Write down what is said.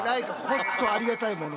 ありがたいもの。